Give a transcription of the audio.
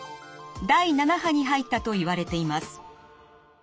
第７波に入ったといわれています。